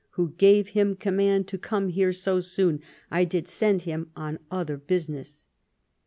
Who gave him command to come here so soon ? I did send him on other business.'